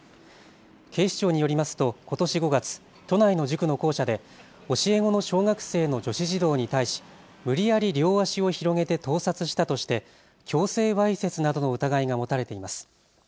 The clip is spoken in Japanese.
警視庁によりますとことし５月、都内の塾の校舎で教え子の小学生の女子児童に対し無理やり両足を広げて盗撮したとして強制わいせつなどの疑いが持たれています。